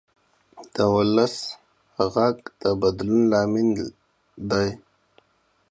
د ولس غږ د بدلون لامل دی